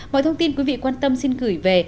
mọi thông tin quý vị quan tâm xin gửi về